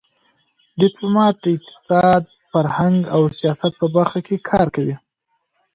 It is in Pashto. ډيپلومات د اقتصاد، فرهنګ او سیاست په برخه کې کار کوي.